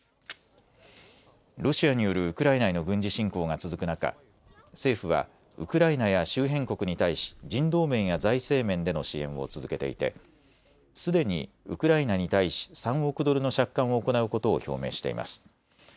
ロシアによるウクライナへの軍事侵攻が続く中、政府はウクライナや周辺国に対し人道面や財政面での支援を続けていてすでにウクライナに対し３億ドルの借款を行うことを表明しています。